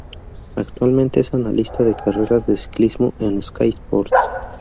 Actualmente es analista de carreras de ciclismo en Sky Sports.